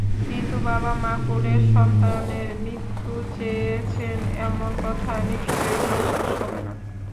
কিন্তু বাবা-মা কোলের সন্তানের মৃত্যু চেয়েছেন—এমন কথা নিশ্চয়ই বিশ্বাস হবে না।